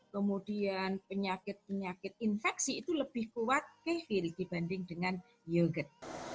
kemudian penyakit penyakit infeksi itu lebih kuat ke fili dibanding dengan yogurt